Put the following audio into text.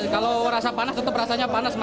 kalau rasa panas tetap rasanya panas